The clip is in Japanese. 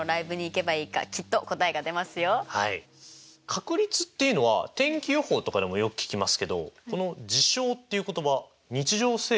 確率っていうのは天気予報とかでもよく聞きますけどこの「事象」っていう言葉日常生活ではあまり聞かないですよね。